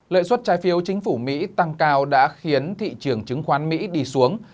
lợi suất trái phiếu chính phủ mỹ tăng cao đã khiến thị trường chứng khoán mỹ đi xuống